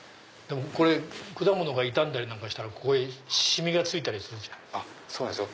これ果物が傷んだりなんかしたら染みが付いたりするじゃない。